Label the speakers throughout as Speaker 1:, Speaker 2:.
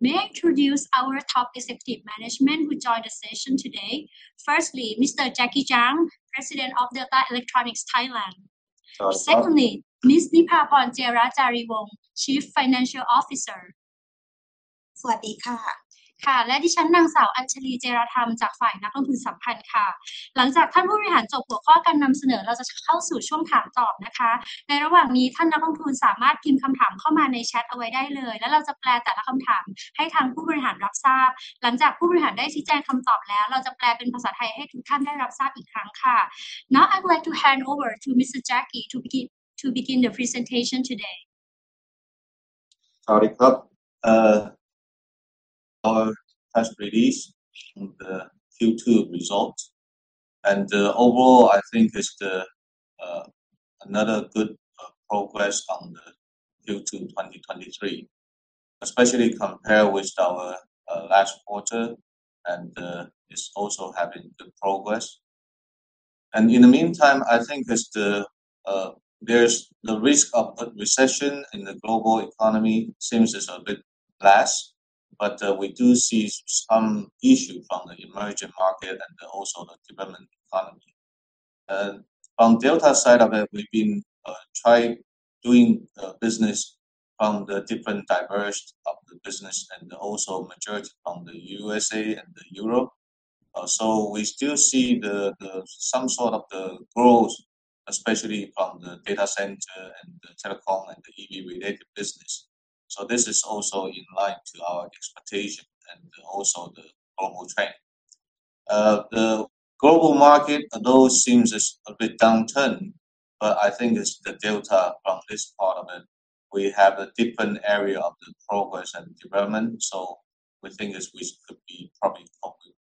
Speaker 1: May I introduce our top executive management who join the session today. Firstly, Mr. Jackie Chang, President of Delta Electronics (Thailand).
Speaker 2: สวัสดีครับ
Speaker 1: Secondly, Ms. Nipaporn Jiarajareevong, Chief Financial Officer.
Speaker 3: สวัสดีค่ะ
Speaker 1: ค่ะและดิฉันนางสาวอัญชลีเจรธรรมจากฝ่ายนักลงทุนสัมพันธ์ค่ะหลังจากท่านผู้บริหารจบหัวข้อการนำเสนอเราจะเข้าสู่ช่วงถามตอบนะคะในระหว่างนี้ท่านนักลงทุนสามารถพิมพ์คำถามเข้ามาในแชทเอาไว้ได้เลยและเราจะแปลแต่ละคำถามให้ทางผู้บริหารรับทราบหลังจากผู้บริหารได้ชี้แจงคำตอบแล้วเราจะแปลเป็นภาษาไทยให้ทุกท่านได้รับทราบอีกครั้งค่ะ Now I would like to hand over to Mr. Jackie to begin the presentation today.
Speaker 2: สวัสดีครับ Our press release from the Q2 results and overall I think is the, another good progress on the Q2 2023, especially compare with our last quarter and, it's also having good progress. In the meantime I think is the, there's the risk of a recession in the global economy seems is a bit less, but we do see some issue from the emerging market and also the development economy. From Delta side of it, we've been, try doing business from the different diverse of the business and also majority from the USA and Europe. We still see the, some sort of the growth, especially from the data center and telecom and the EV related business. This is also in line to our expectation and also the global trend. The global market, although seems is a bit downturn, but I think is the Delta from this part of it, we have a different area of the progress and development. We think is we could be probably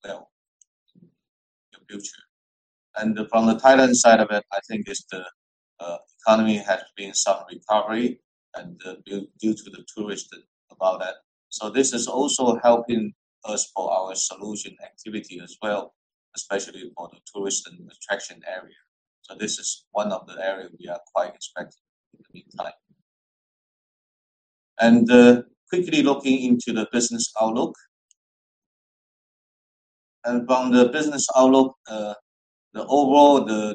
Speaker 2: well in the future. From the Thailand side of it, I think is the economy has been some recovery and due to the tourism about that. This is also helping us for our solution activity as well, especially for the tourism and attraction area. This is one of the area we are quite expecting in the meantime. Quickly looking into the business outlook. From the business outlook, the overall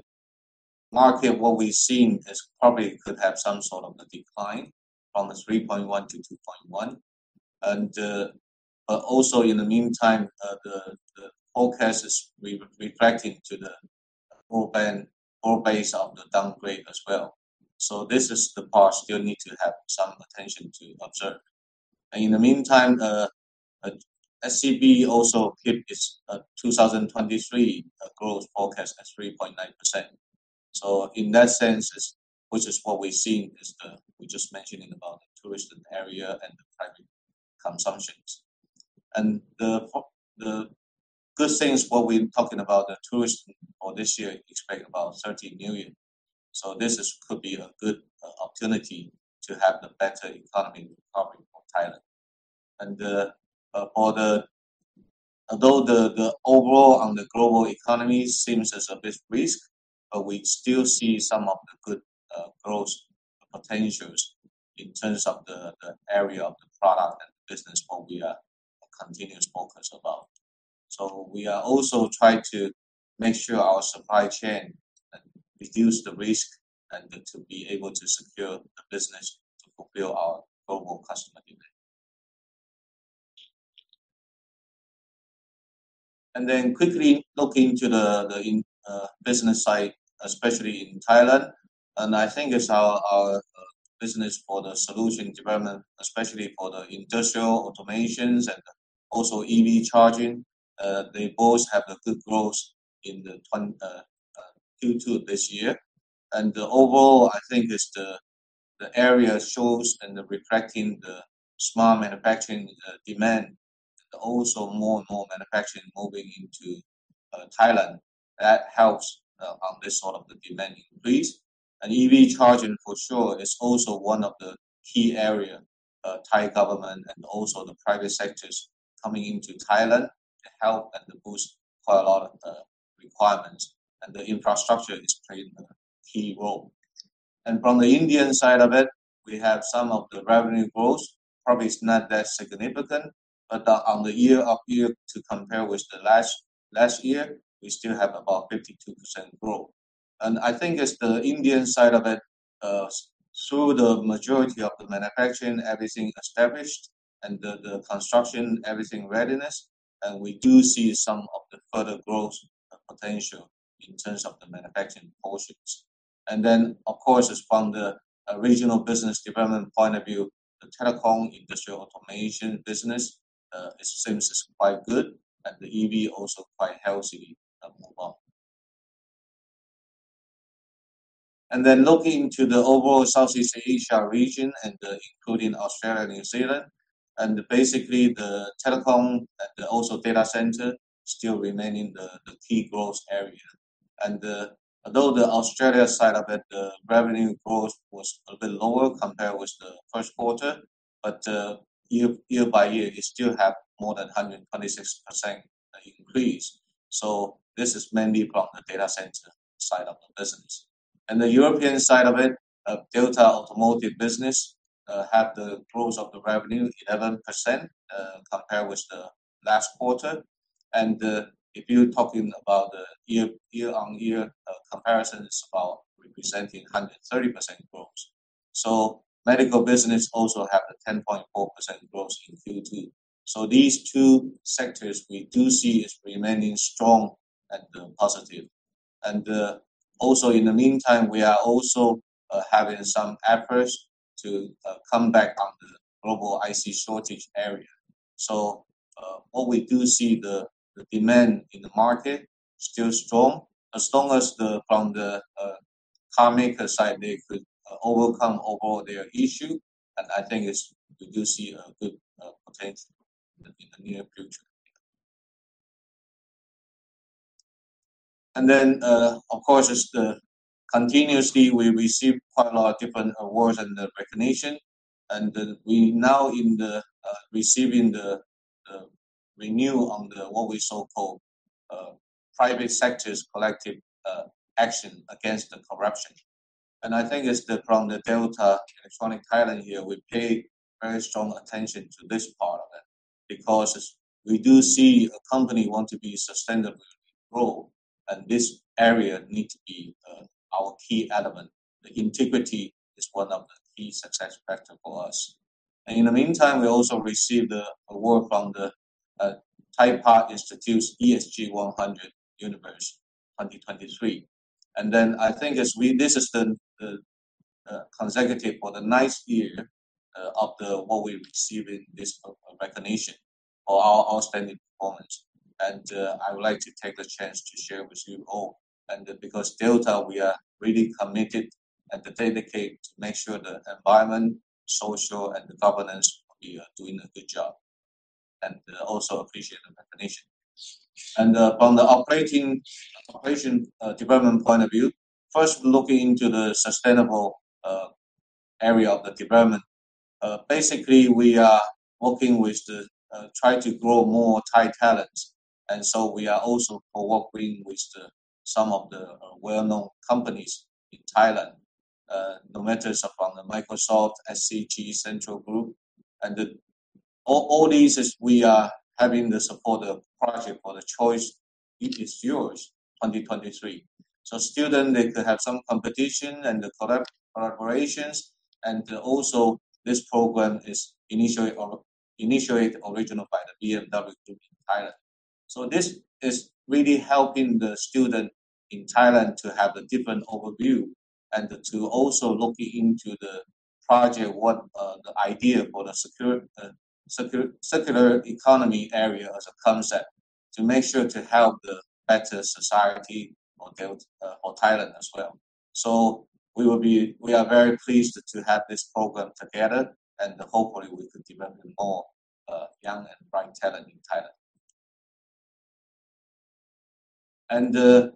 Speaker 2: market, what we've seen is probably could have some sort of a decline from the 3.1%-2.1%. But also in the meantime, the forecast is reflecting the broad-based downgrade as well. This is the part still need to have some attention to observe. In the meantime, SCB also keep its 2023 growth forecast at 3.9%. In that sense, which is what we've seen, we just mentioning about the tourism area and the private consumption. The good things what we're talking about the tourism for this year expect about 30 million. This could be a good opportunity to have the better economic recovery for Thailand. Although the outlook on the global economy seems a bit risky, we still see some of the good growth potentials in terms of the area of the product and business what we are continuous focus about. We are also trying to make sure our supply chain and reduce the risk and to be able to secure the business to fulfill our global customer demand. Quickly look into the business side, especially in Thailand, and I think it's our business for the solution development, especially for the industrial automation and also EV charging. They both have a good growth in the Q2 this year. Overall I think the area shows and the reflecting the smart manufacturing demand and also more and more manufacturing moving into Thailand. That helps on this sort of the demand increase. EV Charging for sure is also one of the key area, Thai government and also the private sectors coming into Thailand to help and boost quite a lot of the requirements and the infrastructure is playing a key role. From the Indian side of it, we have some of the revenue growth. Probably it's not that significant, but on the year-over-year to compare with the last year, we still have about 52% growth. I think is the Indian side of it, through the majority of the manufacturing, everything established and the construction, everything readiness, and we do see some of the further growth potential in terms of the manufacturing portions. Then of course from the regional business development point of view, the telecom industrial automation business, it seems is quite good and the EV also quite healthy and move on. Looking into the overall Southeast Asia region, including Australia and New Zealand, and basically the telecom and also data center still remaining the key growth area. Although the Australia side of it, the revenue growth was a bit lower compared with the first quarter, but year by year, it still have more than 126% increase. This is mainly from the data center side of the business. The European side of it, Delta automotive business, had the growth of the revenue 11% compared with the last quarter. If you're talking about the year-on-year comparison, it's about representing 130% growth. Medical business also has a 10.4% growth in Q2. These two sectors we do see is remaining strong and positive. Also in the meantime, we are also having some efforts to come back on the global IC shortage area. What we do see the demand in the market still strong. As strong as the from the car maker side, they could overcome overall their issue, and I think it's. We do see a good potential in the near future. Of course, it's the continuously we receive quite a lot of different awards and recognition. We're now receiving the renewal on what we so-called private sector collective action against corruption. I think it's from Delta Electronics (Thailand) here, we pay very strong attention to this part of it because we do see a company want to be sustainably grow, and this area need to be our key element. The integrity is one of the key success factor for us. In the meantime, we also received an award from the Thaipat Institute ESG100 Universe 2023. I think this is the consecutive for the ninth year of what we're receiving this recognition for our outstanding performance. I would like to take the chance to share with you all. Because Delta, we are really committed and dedicated to make sure the environment, social, and the governance, we are doing a good job. Also appreciate the recognition. From the operation development point of view, first looking into the sustainable area of the development, basically, we are working with the try to grow more Thai talents. We are also cooperating with some of the well-known companies in Thailand, no matters from the Microsoft, SCG, Central Group. All these is we are having the support the project for The Choice is Yours 2023. Students, they could have some competition and the collaborations. Also this program is initially or initiated original by the BMW Group in Thailand. This is really helping the student in Thailand to have a different overview and to also looking into the project, the idea for the secure circular economy area as a concept to make sure to help the better society for Delta, for Thailand as well. We are very pleased to have this program together, and hopefully we could develop more young and bright talent in Thailand.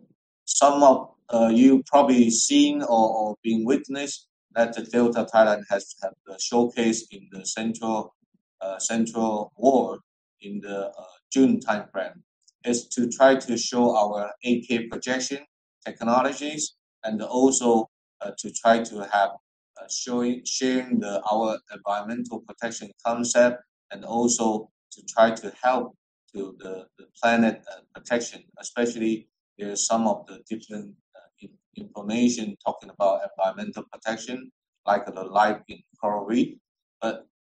Speaker 2: Some of you probably seen or been witnessed that Delta Thailand has had the showcase in the Central World in the June timeframe to try to show our 8K projection technologies and also to try to have sharing our environmental protection concept and also to try to help to the planet protection, especially you know some of the different information talking about environmental protection, like the life in coral reef.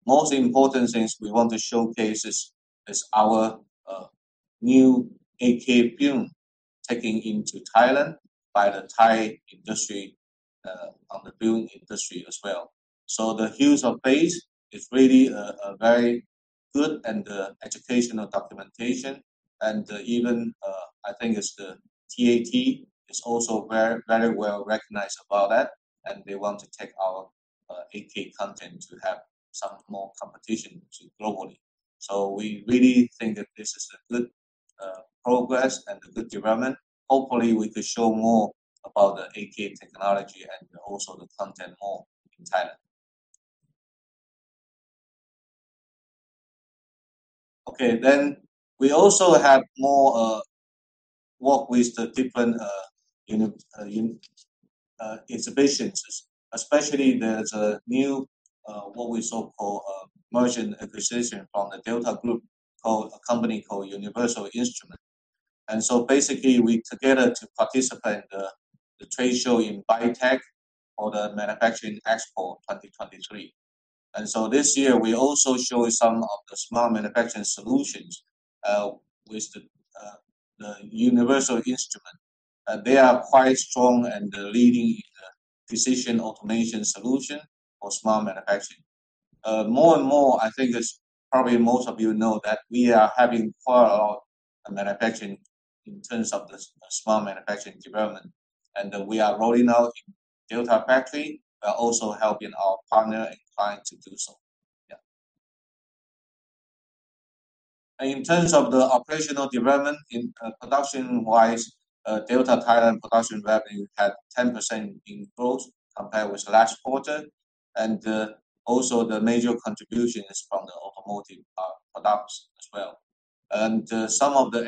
Speaker 2: Most important things we want to showcase is our new 8K film taken in Thailand by the Thai industry on the film industry as well. The Hues of Faith is really a very good and educational documentary. Even I think it's the TAT is also very, very well recognized about that, and they want to take our 8K content to have some more competition to globally. We really think that this is a good progress and a good development. Hopefully, we could show more about the 8K technology and also the content more in Thailand. Okay. We also have more work with the different international exhibitions, especially there's a new what we so call a merger and acquisition from the Delta Group called a company called Universal Instruments. Basically, we together to participate in the trade show in BITEC or the Manufacturing Expo 2023. This year, we also show some of the smart manufacturing solutions with the Universal Instruments. They are quite strong and leading in precision automation solution for Smart Manufacturing. More and more I think that probably most of you know that we are having far out manufacturing in terms of the Smart Manufacturing development. We are rolling out Delta factory while also helping our partner and client to do so. Yeah. In terms of the operational development production-wise, Delta Thailand production revenue had 10% growth compared with last quarter. The major contribution is from the automotive products as well. Some of the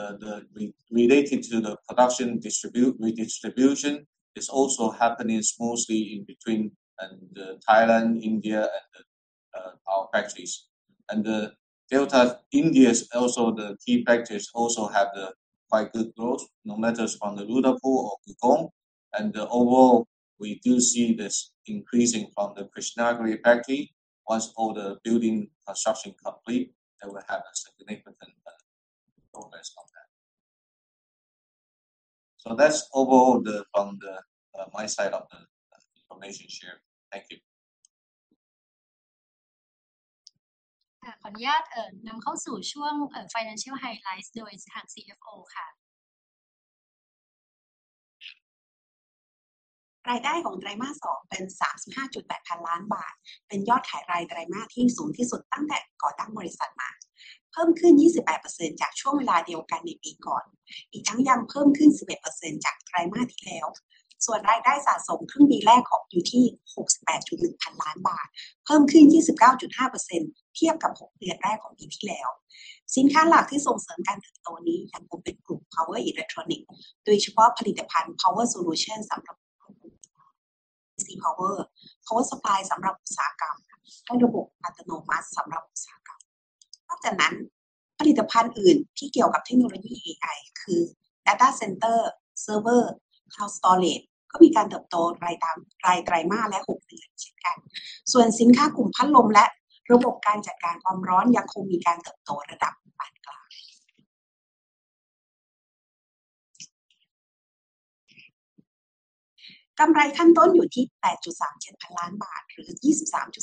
Speaker 2: areas related to production, distribution, and redistribution are also happening mostly between Thailand, India, and our factories. Delta India is also the key factories also have quite good growth no matter from the Ludhiana or Gurgaon. Overall we do see this increasing from the Krishnagiri factory. Once all the building construction complete, it will have a significant progress on that. That's overall from my side of the information share. Thank you.
Speaker 1: ขออนุญาตนำเข้าสู่ช่วง Financial Highlights โดยทาง CFO ค่ะ
Speaker 3: รายได้ของไตรมาสสองเป็น 35.8 พันล้านบาทเป็นยอดขายรายไตรมาสที่สูงที่สุดตั้งแต่ก่อตั้งบริษัทมาเพิ่มขึ้น 28% จากช่วงเวลาเดียวกันในปีก่อนอีกทั้งยังเพิ่มขึ้น 11% จากไตรมาสที่แล้วส่วนรายได้สะสมครึ่งปีแรกอยู่ที่ 68.1 พันล้านบาทเพิ่มขึ้น 29.5% เทียบกับหกเดือนแรกของปีที่แล้วสินค้าหลักที่ส่งเสริมการเติบโตนี้ยังคงเป็นกลุ่ม Power Electronics โดยเฉพาะผลิตภัณฑ์ Power Solution สำหรับควบคุม DC Power Supply สำหรับอุตสาหกรรมและระบบอัตโนมัติสำหรับอุตสาหกรรมนอกจากนั้นผลิตภัณฑ์อื่นที่เกี่ยวกับเทคโนโลยี AI คือ Data Center, Server, Cloud Storage ก็มีการเติบโตรายไตรมาสและหกเดือนเช่นกันส่วนสินค้ากลุ่มพัดลมและระบบการจัดการความร้อนยังคงมีการเติบโตระดับปานกลางกำไรขั้นต้นอยู่ที่ 8.37 พันล้านบาทหรือ 23.4%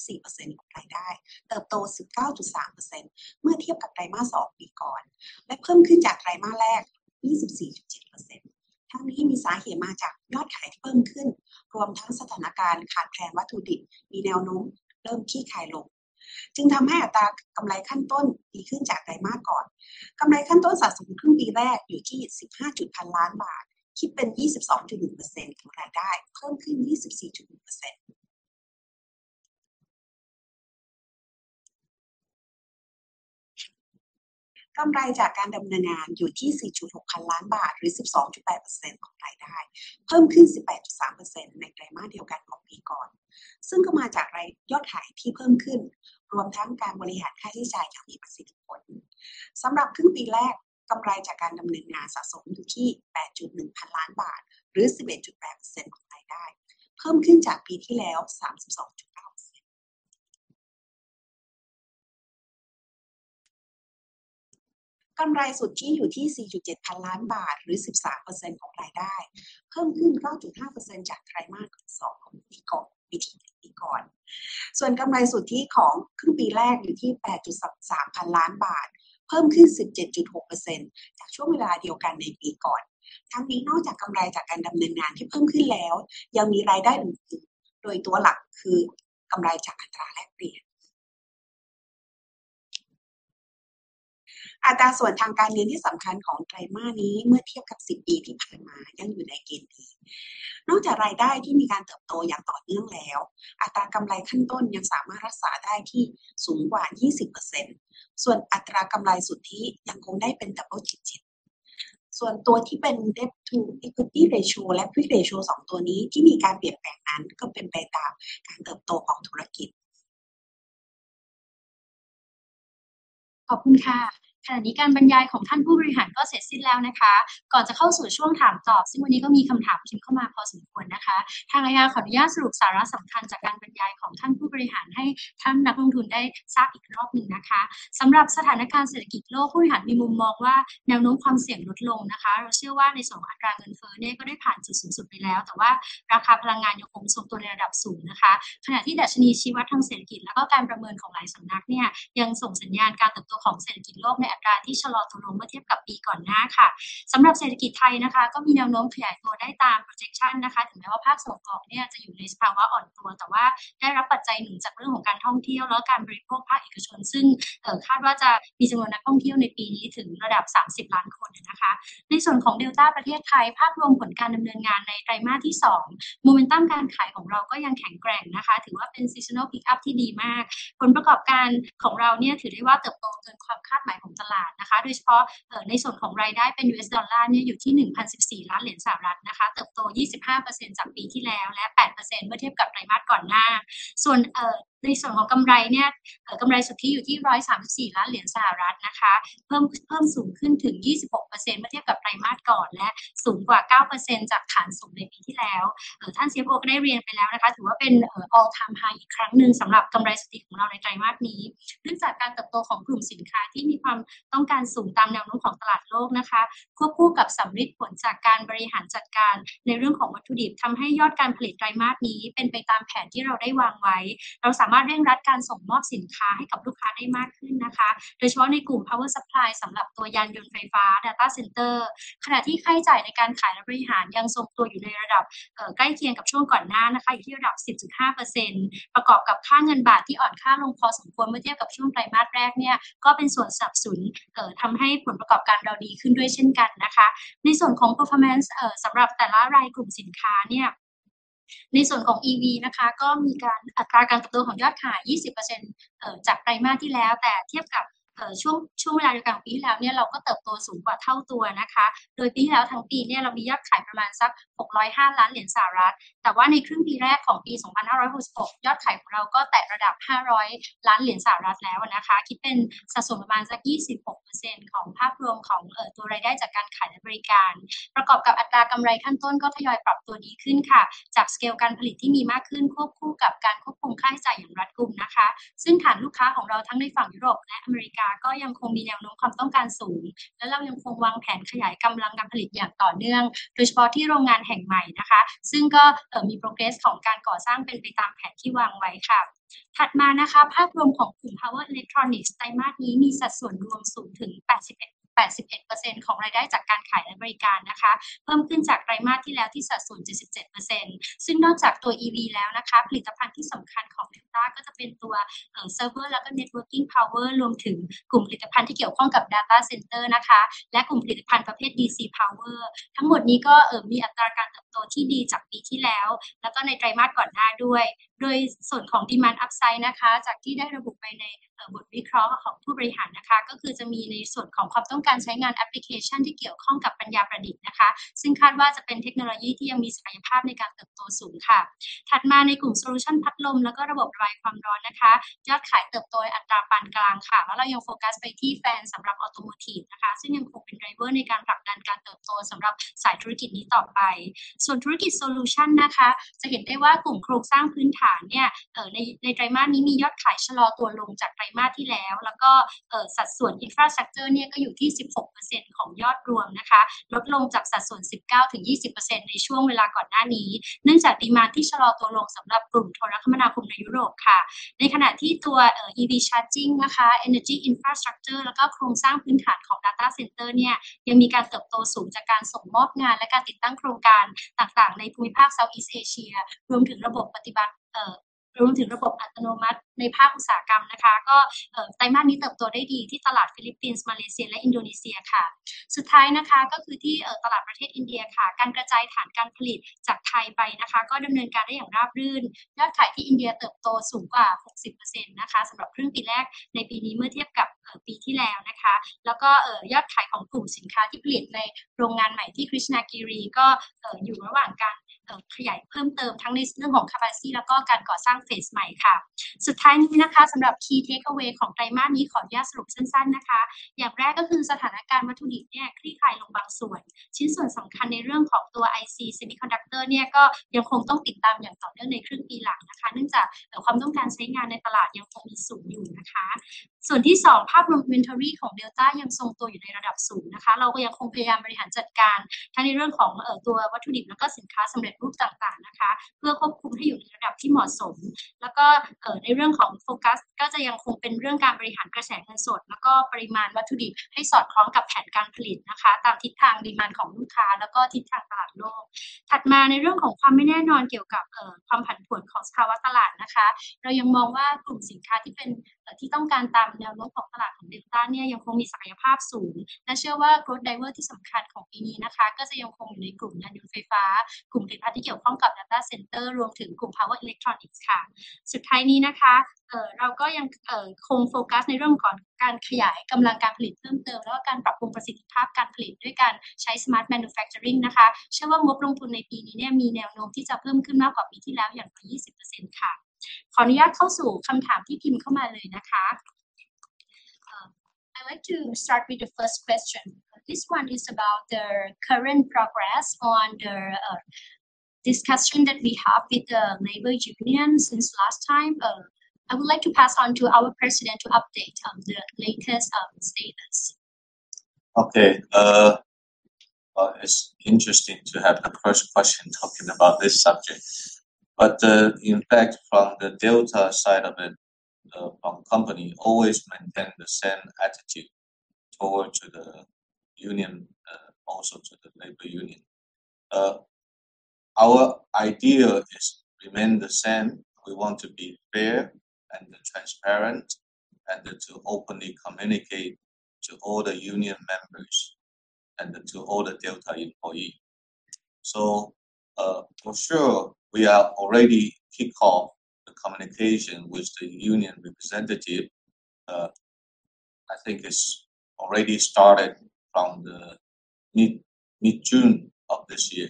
Speaker 3: ของรายได้เติบโต 19.3% เมื่อเทียบกับไตรมาสสองปีก่อนและเพิ่มขึ้นจากไตรมาสแรก 24.7% ทั้งนี้มีสาเหตุมาจากยอดขายที่เพิ่มขึ้นรวมทั้งสถานการณ์ขาดแคลนวัตถุดิบมีแนวโน้มเริ่มคลี่คลายลงจึงทำให้อัตรากำไรขั้นต้นดีขึ้นจากไตรมาสก่อนกำไรขั้นต้นสะสมครึ่งปีแรกอยู่ที่ 15 พันล้านบาทคิดเป็น 22.1% ของรายได้เพิ่มขึ้น 24.1% กำไรจากการดำเนินงานอยู่ที่ 4.6 พันล้านบาทหรือ 12.8% ของรายได้เพิ่มขึ้น 18.3% ในไตรมาสเดียวกันของปีก่อนซึ่งก็มาจากรายยอดขายที่เพิ่มขึ้นรวมทั้งการบริหารค่าใช้จ่ายที่มีประสิทธิภาพสำหรับครึ่งปีแรกกำไรจากการดำเนินงานสะสมอยู่ที่ 8.1 พันล้านบาทหรือ 11.8% ของรายได้เพิ่มขึ้นจากปีที่แล้ว 32.9% กำไรสุทธิอยู่ที่ 4.7 พันล้านบาทหรือ 13% ของรายได้เพิ่มขึ้น 9.5% จากไตรมาสสองของปีก่อนส่วนกำไรสุทธิของครึ่งปีแรกอยู่ที่ 8.3 พันล้านบาทเพิ่มขึ้น 17.6% จากช่วงเวลาเดียวกันในปีก่อนทั้งนี้นอกจากกำไรจากการดำเนินงานที่เพิ่มขึ้นแล้วยังมีรายได้อื่นๆโดยตัวหลักคือกำไรจากอัตราแลกเปลี่ยนอัตราส่วนทางการเงินที่สำคัญของไตรมาสนี้เมื่อเทียบกับสิบปีที่ผ่านมายังอยู่ในเกณฑ์ดีนอกจากรายได้ที่มีการเติบโตอย่างต่อเนื่องแล้วอัตรากำไรขั้นต้นยังสามารถรักษาได้ที่สูงกว่า 20% ส่วนอัตรากำไรสุทธิยังคงได้เป็น double digit ส่วนตัวที่เป็น Debt to Equity Ratio และ Quick Ratio สองตัวนี้ที่มีการเปลี่ยนแปลงนั้นก็เป็นไปตามการเติบโตของธุรกิจ
Speaker 1: ขอบคุณค่ะขณะนี้การบรรยายของท่านผู้บริหารก็เสร็จสิ้นแล้วนะคะก่อนจะเข้าสู่ช่วงถามตอบซึ่งวันนี้ก็มีคำถาม written เข้ามาพอสมควรนะคะทาง IR ขออนุญาตสรุปสาระสำคัญจากการบรรยายของท่านผู้บริหารให้ท่านนักลงทุนได้ทราบอีกรอบหนึ่งนะคะสำหรับสถานการณ์เศรษฐกิจโลกผู้บริหารมีมุมมองว่าแนวโน้มความเสี่ยงลดลงนะคะเราเชื่อว่าในส่วนของอัตราเงินเฟ้อนี้ก็ได้ผ่านจุดสูงสุดไปแล้วแต่ว่าราคาพลังงานยังคงทรงตัวในระดับสูงนะคะขณะที่ดัชนีชี้วัดทางเศรษฐกิจแล้วก็การประเมินของหลายสำนักเนี่ยยังส่งสัญญาณการเติบโตของเศรษฐกิจโลกในอัตราที่ชะลอตัวลงเมื่อเทียบกับปีก่อนหน้าค่ะสำหรับเศรษฐกิจไทยนะคะก็มีแนวโน้มขยายตัวได้ตาม projection นะคะถึงแม้ว่าภาคส่งออกเนี่ยจะอยู่ในสภาวะอ่อนตัวซึ่งคาดว่าจะมีจำนวนนักท่องเที่ยวในปีนี้ถึงระดับ 30 ล้านคนนะคะในส่วนของ Delta ประเทศไทยภาพรวมผลการดำเนินงานในไตรมาสที่สองโมเมนตัมการขายของเราก็ยังแข็งแกร่งนะคะถือว่าเป็น Seasonal Pickup ที่ดีมากผลประกอบการของเราเนี่ยถือได้ว่าเติบโตเกินนะคะโดยเฉพาะในส่วนของรายได้เป็น USD เนี่ยอยู่ที่ USD 1,014 ล้านนะคะเติบโต 25% จากปีที่แล้วและ 8% ส่วนในส่วนของกำไรเนี่ยกำไรสุทธิอยู่ที่ USD 134 ล้านนะคะเพิ่มสูงขึ้นถึง 26% เมื่อเทียบกับไตรมาสก่อนและสูงกว่า 9% จากฐานสูงในปีที่แล้วท่าน CFO ก็ได้เรียนไปแล้วนะคะถือว่าเป็น All-time high อีกครั้งหนึ่งสำหรับกำไรสุทธิของเราในไตรมาสนี้เนื่องจากการเติบโตของกลุ่มสินค้าที่มีความต้องการสูงตามแนวโน้มของตลาดโลกนะคะควบคู่กับสัมฤทธิ์ผลจากการบริหารจัดการในเรื่องของวัตถุดิบทำให้ยอดการผลิตไตรมาสนี้เป็นไปตามแผนที่เราได้วางไว้เราสามารถเร่งรัดการส่งมอบสินค้าให้กับลูกค้าได้มากขึ้นนะคะโดยเฉพาะในกลุ่ม Power Supply สำหรับตัวยานยนต์ไฟฟ้า Data Center ขณะที่ค่าใช้จ่ายในการขายและบริหารยังทรงตัวอยู่ในระดับใกล้เคียงกับช่วงก่อนหน้านะคะอยู่ที่ระดับ 10.5% ประกอบกับค่าเงินบาทที่อ่อนค่าลงพอสมควรเมื่อเทียบกับช่วงไตรมาสแรกเนี่ยก็เป็นส่วนสนับสนุนทำให้ผลประกอบการเราดีขึ้นด้วยเช่นกันนะคะในส่วนของ Performance สำหรับแต่ละรายกลุ่มสินค้าเนี่ยในส่วนของ EV นะคะก็มีอัตราการเติบโตของยอดขาย 20% จากไตรมาสที่แล้วแต่เทียบกับช่วงเวลาเดียวกันของปีที่แล้วเนี่ยเราก็เติบโตสูงกว่าเท่าตัวนะคะโดยปีที่แล้วทั้งปีเนี่ยเรามียอดขายประมาณสัก USD 605 ล้านแต่ว่าในครึ่งปีแรกของปี 2566 ยอดขายของเราก็แตะระดับ USD 500 ล้านแล้วนะคะคิดเป็นสัดส่วนประมาณสัก 26% ของภาพรวมของตัวรายได้จากการขายและบริการประกอบกับอัตรากำไรขั้นต้นก็ทยอยปรับตัวดีขึ้นค่ะจากสเกลการผลิตที่มีมากขึ้นควบคู่กับการควบคุมค่าใช้จ่ายอย่างรัดกุมนะคะซึ่งฐานลูกค้าของเราทั้งในฝั่งยุโรปและอเมริกาก็ยังคงมีแนวโน้มความต้องการสูงและเรายังคงวางแผนขยายกำลังการผลิตอย่างต่อเนื่องโดยเฉพาะที่โรงงานแห่งใหม่นะคะซึ่งก็มี Progress ของการก่อสร้างเป็นไปตามแผนที่วางไว้ค่ะถัดมานะคะภาพรวมของกลุ่ม Power Electronics ไตรมาสนี้มีสัดส่วนรวมสูงถึง 81% ของรายได้จากการขายและบริการนะคะเพิ่มขึ้นจากไตรมาสที่แล้วที่สัดส่วน 77% ซึ่งนอกจากตัว EV แล้วนะคะผลิตภัณฑ์ที่สำคัญของ Delta ก็จะเป็นตัว Server แล้วก็ Networking Power รวมถึงกลุ่มผลิตภัณฑ์ที่เกี่ยวข้องกับ Data Center นะคะและกลุ่มผลิตภัณฑ์ประเภท DC Power ทั้งหมดนี้ก็มีอัตราการเติบโตที่ดีจากปีที่แล้วแล้วก็ในไตรมาสก่อนหน้าด้วยโดยส่วนของ Demand Upside นะคะจากที่ได้ระบุไปในบทวิเคราะห์ของผู้บริหารนะคะก็คือจะมีในส่วนของความต้องการใช้งานแอปพลิเคชันที่เกี่ยวข้องกับปัญญาประดิษฐ์นะคะซึ่งคาดว่าจะเป็นเทคโนโลยีที่ยังมีศักยภาพในการเติบโตสูงค่ะถัดมาในกลุ่ม Solution พัดลมแล้วก็ระบบคลายความร้อนนะคะยอดขายเติบโตในอัตราปานกลางค่ะแล้วเรายังโฟกัสไปที่ Fan สำหรับ Automotive นะคะซึ่งยังคงเป็น Driver ในการผลักดันการเติบโตสำหรับสายธุรกิจนี้ต่อไปส่วนธุรกิจ Solution นะคะจะเห็นได้ว่ากลุ่มโครงสร้างพื้นฐานเนี่ยในไตรมาสนี้มียอดขายชะลอตัวลงจากไตรมาสที่แล้วแล้วก็สัดส่วน Infrastructure เนี่ยก็อยู่ที่ 16% ของยอดรวมนะคะลดลงจากสัดส่วน 19-20% ในช่วงเวลาก่อนหน้านี้เนื่องจาก Demand ที่ชะลอตัวลงสำหรับกลุ่มโทรคมนาคมในยุโรปค่ะในขณะที่ตัว EV Charging นะคะ Energy Infrastructure แล้วก็โครงสร้างพื้นฐานของ Data Center เนี่ยยังมีการเติบโตสูงจากการส่งมอบงานและการติดตั้งโครงการต่างๆในภูมิภาค Southeast Asia รวมถึงระบบอัตโนมัติในภาคอุตสาหกรรมนะคะก็ไตรมาสนี้เติบโตได้ดีที่ตลาดฟิลิปปินส์มาเลเซียและอินโดนีเซียค่ะสุดท้ายนะคะก็คือที่ตลาดประเทศอินเดียค่ะการกระจายฐานการผลิตจากไทยไปนะคะก็ดำเนินการได้อย่างราบรื่นยอดขายที่อินเดียเติบโตสูงกว่า 60% นะคะสำหรับครึ่งปีแรกในปีนี้เมื่อเทียบกับปีที่แล้วนะคะแล้วก็ยอดขายของกลุ่มสินค้าที่ผลิตในโรงงานใหม่ที่ Krishnagiri ก็อยู่ระหว่างการขยายเพิ่มเติมทั้งในเรื่องของ Capacity แล้วก็การก่อสร้าง Phase ใหม่ค่ะสุดท้ายนี้นะคะสำหรับ Key Takeaway ของไตรมาสนี้ขออนุญาตสรุปสั้นๆนะคะอย่างแรกก็คือสถานการณ์วัตถุดิบเนี่ยคลี่คลายลงบางส่วนชิ้นส่วนสำคัญในเรื่องของตัว IC Semiconductor เนี่ยก็ยังคงต้องติดตามอย่างต่อเนื่องในครึ่งปีหลังนะคะเนื่องจากความต้องการใช้งานในตลาดยังคงมีสูงอยู่นะคะส่วนที่สองภาพรวม Inventory ของ Delta ยังทรงตัวอยู่ในระดับสูงนะคะเราก็ยังคงพยายามบริหารจัดการทั้งในเรื่องของตัววัตถุดิบแล้วก็สินค้าสำเร็จรูปต่างๆนะคะเพื่อควบคุมให้อยู่ในระดับที่เหมาะสมแล้วก็ในเรื่องของโฟกัสก็จะยังคงเป็นเรื่องการบริหารกระแสเงินสดแล้วก็ปริมาณวัตถุดิบให้สอดคล้องกับแผนการผลิตนะคะตามทิศทาง Demand ของลูกค้าแล้วก็ทิศทางตลาดโลกถัดมาในเรื่องของความไม่แน่นอนเกี่ยวกับความผันผวนของสภาวะตลาดนะคะเรายังมองว่ากลุ่มสินค้าที่เป็นที่ต้องการตามแนวโน้มของตลาดของ Delta เนี่ยยังคงมีศักยภาพสูงและเชื่อว่า Growth Driver ที่สำคัญของปีนี้นะคะก็จะยังคงอยู่ในกลุ่มยานยนต์ไฟฟ้ากลุ่มผลิตภัณฑ์ที่เกี่ยวข้องกับ Data Center รวมถึงกลุ่ม Power Electronics ค่ะสุดท้ายนี้นะคะเราก็ยังคงโฟกัสในเรื่องของการขยายกำลังการผลิตเพิ่มเติมแล้วก็การปรับปรุงประสิทธิภาพการผลิตด้วยการใช้ Smart Manufacturing นะคะเชื่อว่างบลงทุนในปีนี้เนี่ยมีแนวโน้มที่จะเพิ่มขึ้นมากกว่าปีที่แล้วอย่าง 20% ค่ะขออนุญาตเข้าสู่คำถามที่พิมพ์เข้ามาเลยนะคะ I would like to start with the first question. This one is about the current progress on the discussion that we have with the labor union since last time. I would like to pass on to our president to update the latest status.
Speaker 2: Okay. It's interesting to have the first question talking about this subject. In fact from the Delta side of it, our company always maintain the same attitude toward to the union also to the labor union. Our idea is remain the same. We want to be fair and transparent and to openly communicate to all the union members to all the Delta employee. For sure we are already kick off the communication with the union representative. I think it's already started from the mid-June of this year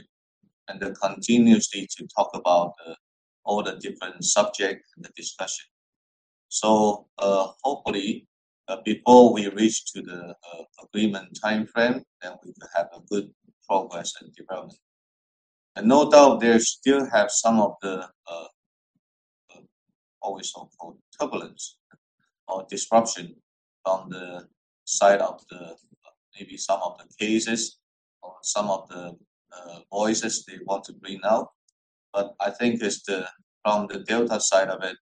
Speaker 2: and then continuously to talk about all the different subject and the discussion. Hopefully, before we reach to the agreement time frame, then we will have a good progress and development. No doubt they still have some of the always so-called turbulence or disruption on the side of the maybe some of the cases or some of the voices they want to bring out. I think it's from the Delta side of it,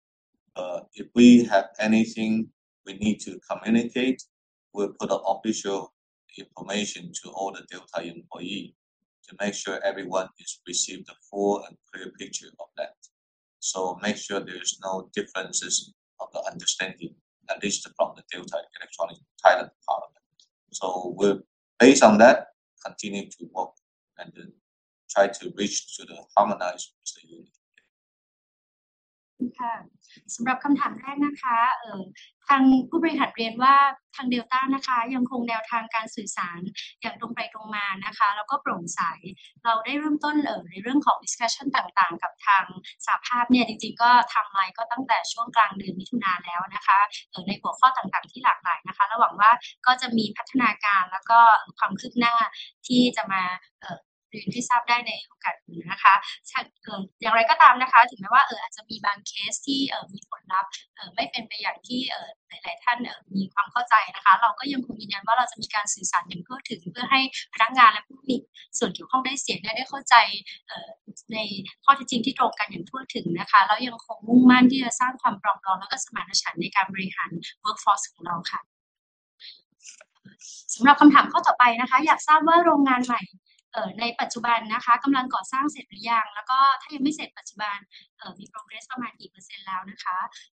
Speaker 2: if we have anything we need to communicate, we'll put an official information to all the Delta employee to make sure everyone is received the full and clear picture of that. Make sure there is no differences of the understanding, at least from the Delta Electronics (Thailand) department. We're based on that, continue to work and then try to reach to the harmonize with the union.
Speaker 1: สำหรับคำถามแรกนะคะทางผู้บริหารเรียนว่าทาง Delta นะคะยังคงแนวทางการสื่อสารอย่างตรงไปตรงมานะคะแล้วก็โปร่งใสเราได้เริ่มต้นเลยในเรื่องของ discussion ต่างๆกับทางสหภาพเนี่ยจริงๆก็ timeline ก็ตั้งแต่ช่วงกลางเดือนมิถุนายนแล้วนะคะในหัวข้อต่างๆที่หลากหลายนะคะและหวังว่าก็จะมีพัฒนาการแล้วก็ความคืบหน้าที่จะมาเรียนให้ทราบได้ในโอกาสอื่นนะคะอย่างไรก็ตามนะคะถึงแม้ว่าอาจจะมีบาง case ที่มีผลลัพธ์ไม่เป็นไปอย่างที่หลายๆท่านมีความเข้าใจนะคะเราก็ยังคงยืนยันว่าเราจะมีการสื่อสารอย่างทั่วถึงเพื่อให้พนักงานและผู้มีส่วนเกี่ยวข้องได้เสียงและได้เข้าใจในข้อเท็จจริงที่ตรงกันอย่างทั่วถึงนะคะแล้วยังคงมุ่งมั่นที่จะสร้างความปรองดองแล้วก็สมานฉันท์ในการบริหาร workforce ของเราค่ะสำหรับคำถามข้อต่อไปนะคะอยากทราบว่าโรงงานใหม่ในปัจจุบันนะคะกำลังก่อสร้างเสร็จหรือยังแล้วก็ถ้ายังไม่เสร็จปัจจุบันมี progress ประมาณกี่% แล้วนะคะ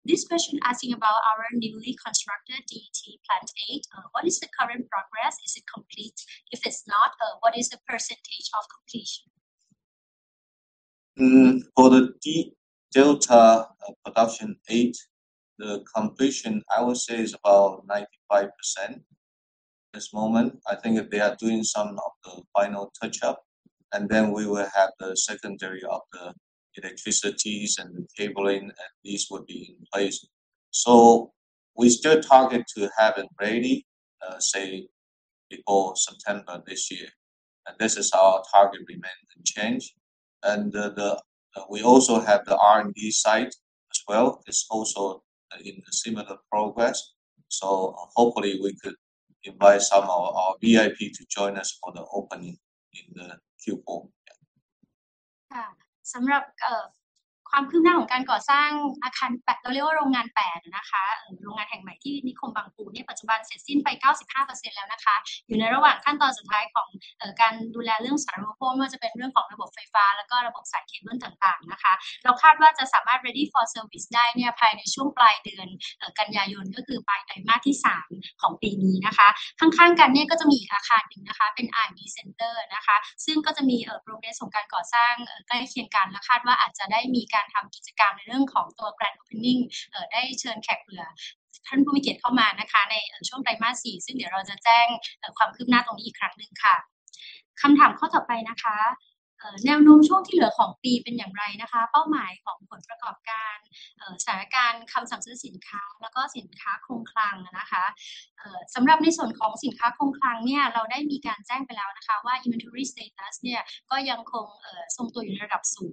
Speaker 1: This question asking about our newly constructed DET Plant Eight. What is the current progress? Is it complete? If it's not, what is the percentage of completion?
Speaker 2: For the Delta Plant Eight, the completion I would say is about 95% this moment. I think they are doing some of the final touch up, and then we will have the secondary of the electricities and the cabling, and these would be in place. We still target to have it ready, say before September this year. This is our target remain unchanged. We also have the R&D site as well. It's also in the similar progress, so hopefully we could invite some of our VIP to join us for the opening in the Q4.
Speaker 1: สำหรับความคืบหน้าของการก่อสร้างอาคารแปดเราเรียกว่าโรงงานแปดนะคะหรือโรงงานแห่งใหม่ที่นิคมบางปูปัจจุบันเสร็จสิ้นไป 95% แล้วนะคะอยู่ในระหว่างขั้นตอนสุดท้ายของการดูแลเรื่องสาธารณูปโภคไม่ว่าจะเป็นเรื่องของระบบไฟฟ้าแล้วก็ระบบสายเคเบิลต่างๆนะคะเราคาดว่าจะสามารถ ready for service ได้ภายในช่วงปลายเดือนกันยายนก็คือปลายไตรมาสที่สามของปีนี้นะคะข้างๆกันนั้นก็จะมีอีกอาคารนึงนะคะเป็น R&D Center นะคะซึ่งก็จะมี progress ของการก่อสร้างใกล้เคียงกันและคาดว่าอาจจะได้มีการทำกิจกรรมในเรื่องของ Grand Opening ได้เชิญแขกเหรื่อท่านผู้มีเกียรติเข้ามานะคะในช่วงไตรมาสสี่ซึ่งเดี๋ยวเราจะแจ้งความคืบหน้าตรงนี้อีกครั้งนึงค่ะคำถามข้อต่อไปนะคะแนวโน้มช่วงที่เหลือของปีเป็นอย่างไรนะคะเป้าหมายของผลประกอบการสถานการณ์คำสั่งซื้อสินค้าแล้วก็สินค้าคงคลังนะคะสำหรับในส่วนของสินค้าคงคลังนั้นเราได้มีการแจ้งไปแล้วนะคะว่า inventory status นั้นก็ยังคงทรงตัวอยู่ในระดับสูง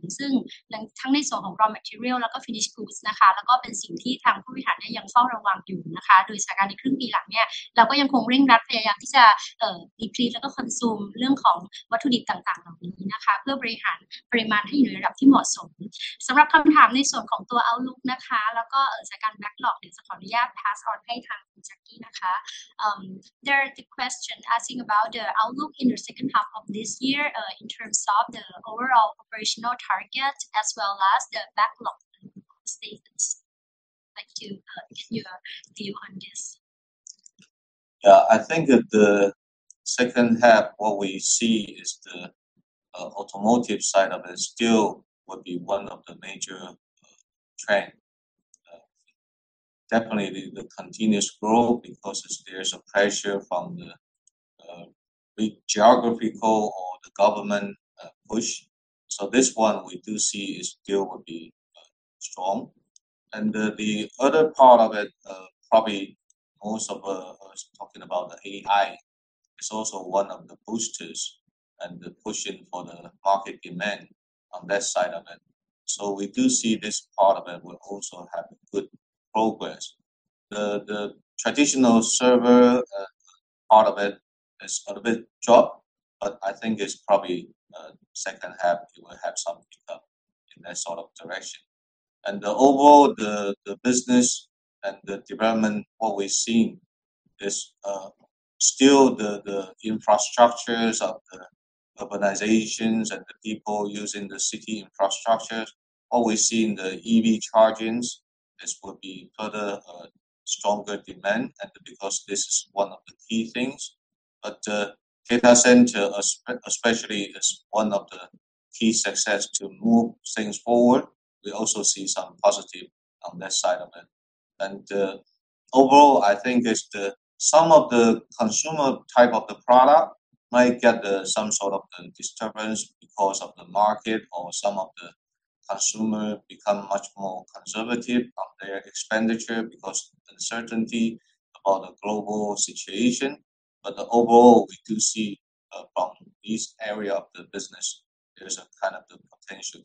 Speaker 1: ทั้งในส่วนของ raw material แล้วก็ finished goods นะคะแล้วก็เป็นสิ่งที่ทางผู้บริหารยังเฝ้าระวังอยู่นะคะโดยสถานการณ์ในครึ่งปีหลังนั้นเราก็ยังคงเร่งรัดพยายามที่จะ decrease แล้วก็ consume เรื่องของวัตถุดิบต่างๆเหล่านี้นะคะเพื่อบริหารปริมาณให้อยู่ในระดับที่เหมาะสมสำหรับคำถามในส่วนของ outlook นะคะแล้วก็สถานการณ์ backlog นั้นจะขออนุญาต pass on ให้ทางคุณ Jackie นะคะ There are questions asking about the outlook in the second half of this year, in terms of the overall operational target as well as the backlog status. Like to get your view on this.
Speaker 2: Yeah, I think that the second half, what we see is the automotive side of it still would be one of the major trend. Definitely the continuous growth because there's a pressure from the big geopolitical or the government push. This one we do see is still will be strong. The other part of it, probably most of us talking about the AI is also one of the boosters and the pushing for the market demand on that side of it. We do see this part of it will also have a good progress. The traditional server part of it is a little bit drop, but I think it's probably second half it will have some pickup in that sort of direction. Overall the business and the development, what we've seen is still the infrastructures of urbanizations and the people using the city infrastructure. What we see in the EV charging, this will be further stronger demand and because this is one of the key things. The data center especially is one of the key success to move things forward. We also see some positive on that side of it. Overall, I think it's some of the consumer type of the product might get some sort of disturbance because of the market or some of the consumer become much more conservative on their expenditure because the uncertainty about the global situation. Overall, we do see from this area of the business, there is a kind of the potential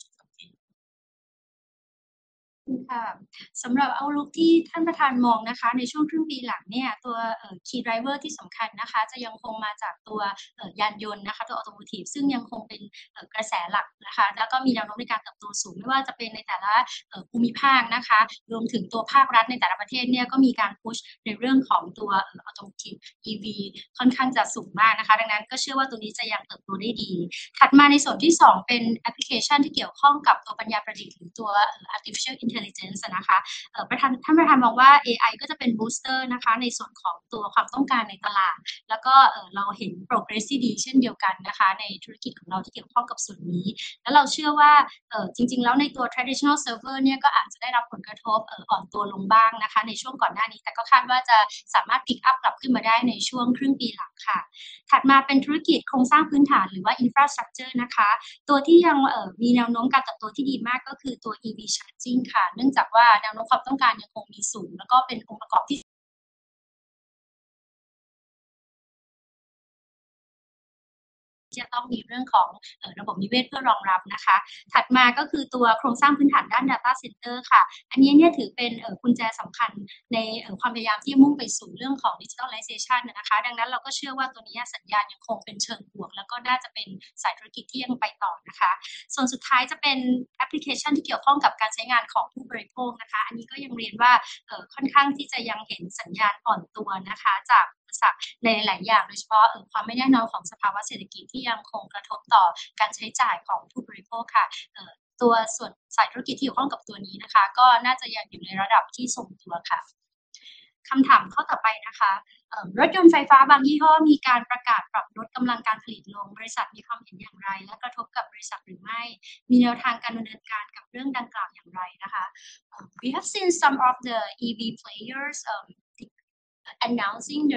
Speaker 2: to continue.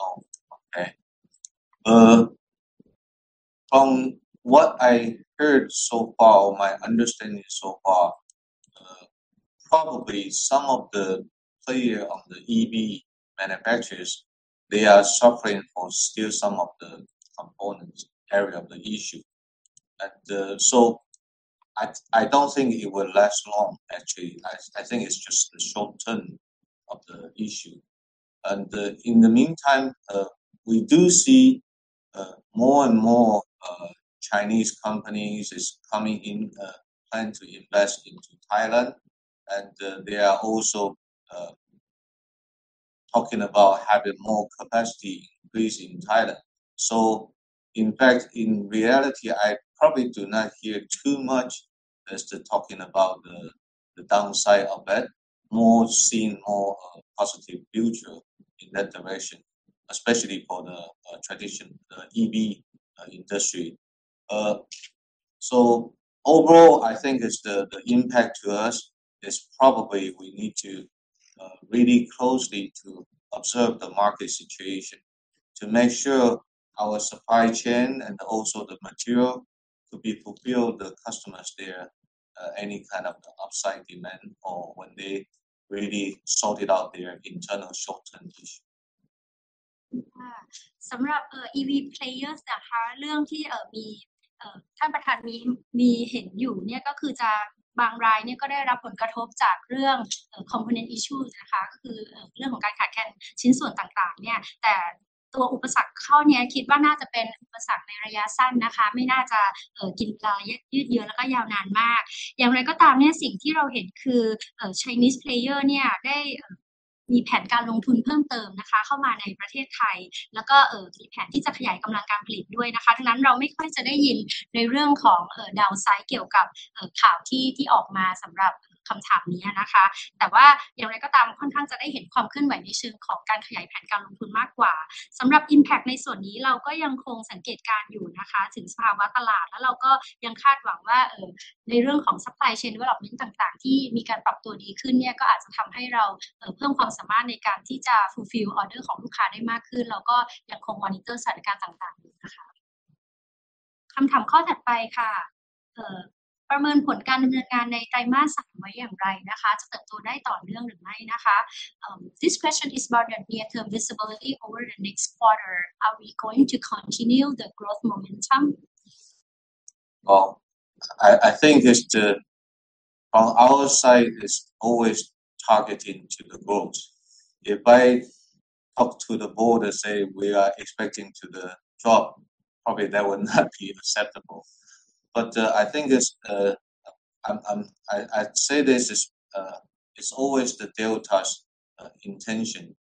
Speaker 2: Oh, okay. From what I heard so far or my understanding so far, probably some of the players in the EV manufacturers, they are suffering from still some of the components area of the issue. I don't think it will last long, actually. I think it's just the short term of the issue. In the meantime, we do see more and more Chinese companies coming in, plan to invest into Thailand, and they are also talking about having more capacity increase in Thailand. In fact, in reality, I probably do not hear too much as to talking about the downside of that. I'm seeing more positive future in that direction, especially for the
Speaker 1: sort it out their internal short-term issue. This question is about the near-term visibility over the next quarter. Are we going to continue the growth momentum?
Speaker 2: Well, I think on our side is always targeting to the growth. If I talk to the board and say we are expecting to a drop, probably that would not be acceptable. I think it's, I say this is, it's always the Delta's intention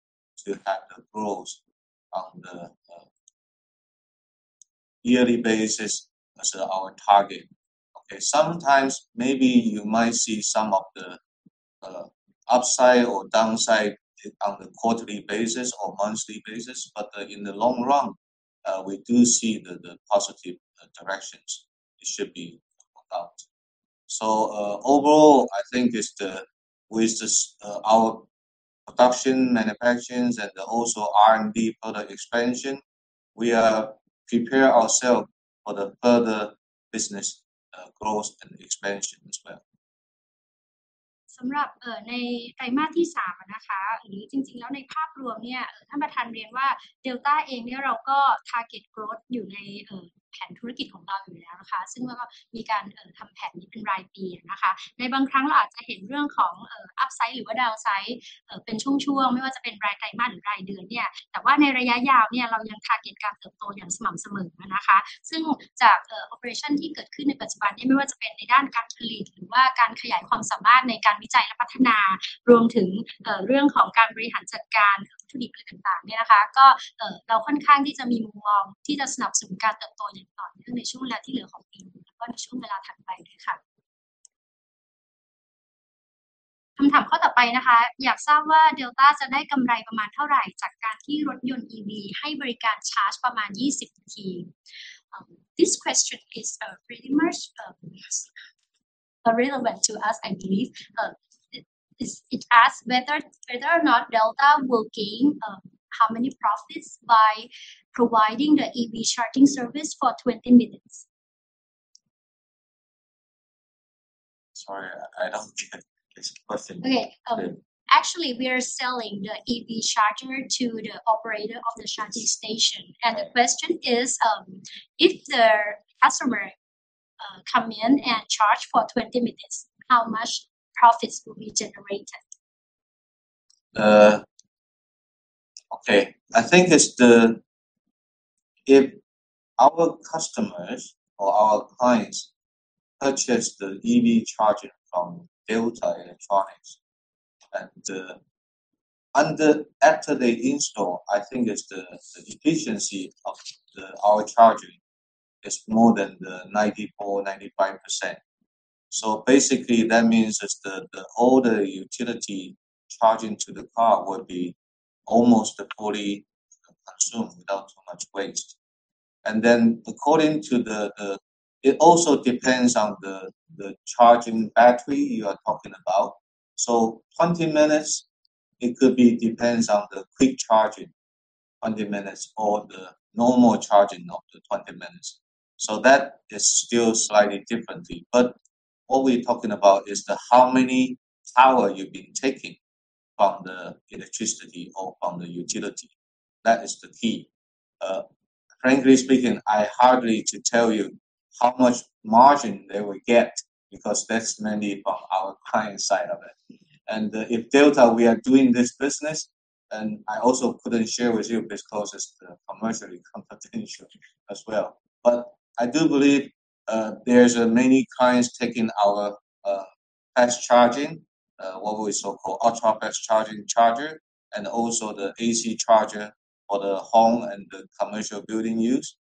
Speaker 2: to have the growth on the yearly basis as our target. Okay, sometimes maybe you might see some of the upside or downside on the quarterly basis or monthly basis, but, in the long run, we do see the positive directions it should be worked out. Overall, I think it's the, with this, our production, manufacturing and also R&D product expansion, we are prepare ourself for the further business growth and expansion as well.
Speaker 1: This question is, pretty much, relevant to us, I believe. It asks whether or not Delta will gain how many profits by providing the EV charging service for 20 minutes.
Speaker 2: Sorry, I don't get this question.
Speaker 1: Okay. Actually, we are selling the EV charger to the operator of the charging station. The question is, if the customer, come in and charge for 20 minutes, how much profits will be generated?
Speaker 2: I think it's the If our customers or our clients purchase the EV charger from Delta Electronics, and after they install, I think it's the efficiency of our charging is more than 94%-95%. Basically, that means the all the utility charging to the car would be almost fully consumed without too much waste. It also depends on the charging battery you are talking about. 20 minutes, it could be depends on the quick charging, 20 minutes, or the normal charging of the 20 minutes. That is still slightly differently. All we're talking about is the how much power you've been taking from the electricity or from the utility. That is the key. Frankly speaking, it's hard to tell you how much margin they will get because that's mainly from our client side of it. If Delta, we are doing this business, and I also couldn't share with you because it's commercially confidential as well. I do believe, there's many clients taking our fast charging, what we so-called ultra-fast charging charger, and also the AC charger for the home and the commercial building use.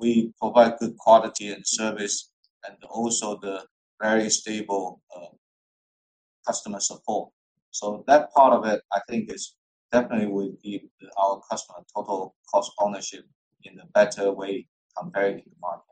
Speaker 2: We provide good quality and service and also the very stable customer support. That part of it, I think definitely will give our customer total cost of ownership in a better way compared to the market.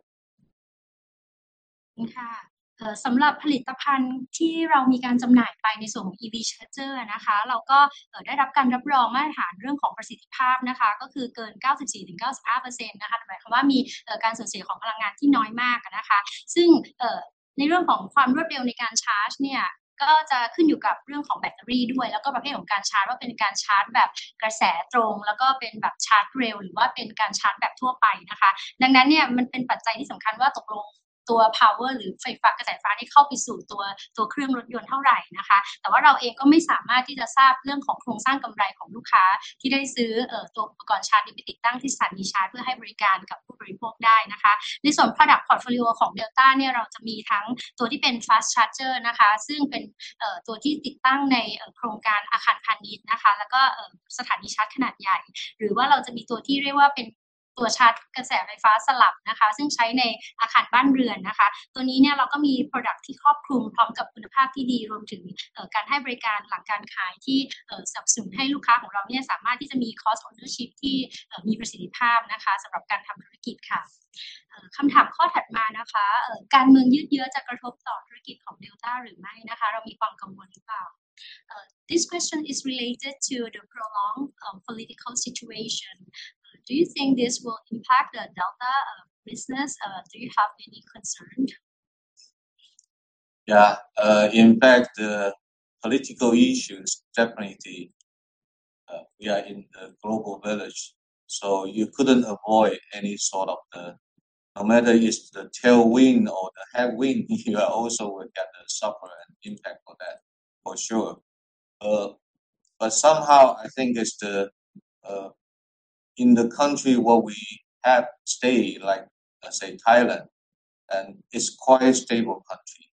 Speaker 1: This question is related to the prolonged political situation. Do you think this will impact the Delta business? Do you have any concern?
Speaker 2: Yeah. In fact, the political issues definitely, we are in a global village, so you couldn't avoid any sort. No matter it's the tailwind or the headwind, you are also will get the suffer and impact of that for sure. Somehow I think it's the, in the country where we have stayed, like let's say Thailand, and it's quite a stable country.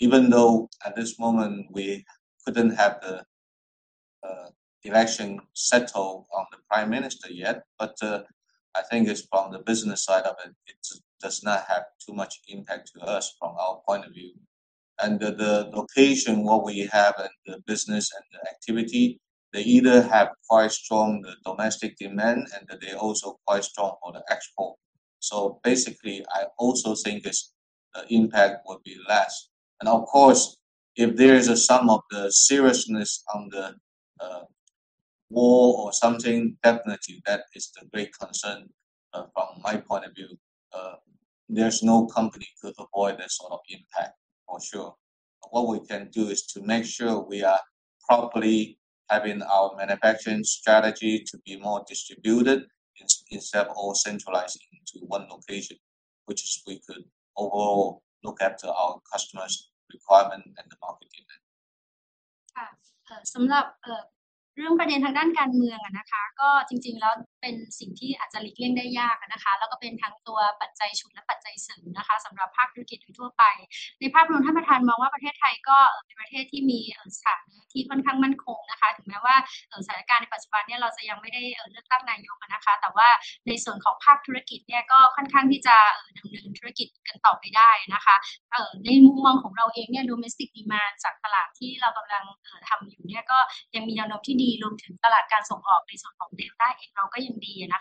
Speaker 2: Even though at this moment we couldn't have the, election settled on the prime minister yet, I think it's from the business side of it's does not have too much impact to us from our point of view. The location what we have and the business and the activity, they either have quite strong the domestic demand and they also quite strong on the export. Basically, I also think it's the impact would be less. Of course, if there is some seriousness on the war or something, definitely that is the great concern from my point of view. There's no company could avoid that sort of impact, for sure. What we can do is to make sure we are properly having our manufacturing strategy to be more distributed instead of all centralizing to one location, which is we could overall look after our customers' requirement and the market demand.